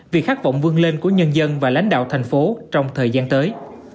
vì khát vọng vươn lên của nhân dân và lãnh đạo thành phố trong thời gian tới